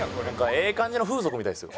ええ感じの風俗みたいですよ。